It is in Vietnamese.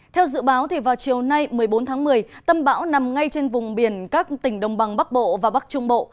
theo dự báo vào chiều nay một mươi bốn tháng một mươi tâm bão nằm ngay trên vùng biển các tỉnh đồng bằng bắc bộ và bắc trung bộ